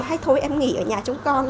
hay thôi em nghỉ ở nhà chồng con